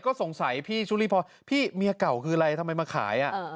ก็สงสัยพี่ชุลีพรพี่เมียเก่าคืออะไรทำไมมาขาย